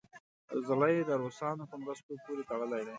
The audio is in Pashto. زړه یې د روسانو په مرستو پورې تړلی دی.